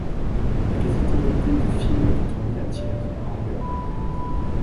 La quasi-totalité du film a été tournée à Thiers en Auvergne.